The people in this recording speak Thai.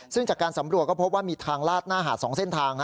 ซึ่งจากการสำรวจก็พบว่ามีทางลาดหน้าหาด๒เส้นทาง